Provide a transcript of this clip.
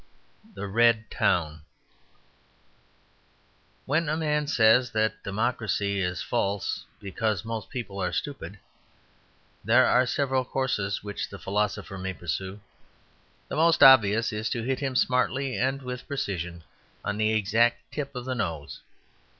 The Red Town When a man says that democracy is false because most people are stupid, there are several courses which the philosopher may pursue. The most obvious is to hit him smartly and with precision on the exact tip of the nose.